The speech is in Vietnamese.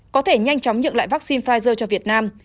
có thể nhanh chóng nhượng lại vaccine pfizer cho việt nam